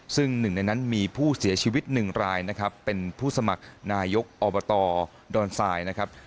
ซึ่งหนึ่งในนั้นมีผู้เสียชีวิตหนึ่งรายนะครับเป็นผู้สมัครนายกอบตดอนทรายนะครับ